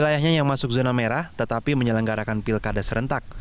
wilayahnya yang masuk zona merah tetapi menyelenggarakan pilkada serentak